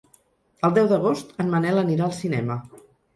El deu d'agost en Manel anirà al cinema.